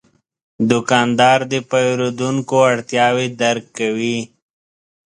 دوکاندار د پیرودونکو اړتیاوې درک کوي.